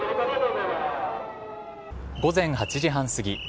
午前８時半すぎ